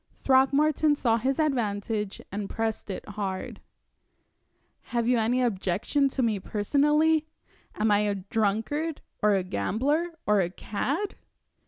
Throckmorton saw his advantage, and pressed it hard. "Have you any objection to me personally? Am I a drunkard, or a gambler, or a cad?"